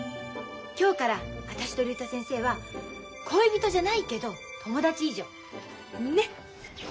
今日から私と竜太先生は恋人じゃないけど友達以上。ね！